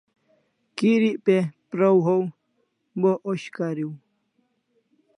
Kirik pe praw haw, bo osh kariu